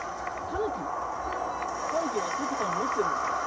タヌキはタペタム持ってるんですか？